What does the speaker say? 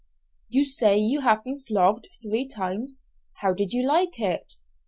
"You say you have been flogged three times: how did you like it?"